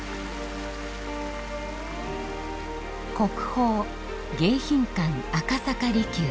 国宝迎賓館赤坂離宮。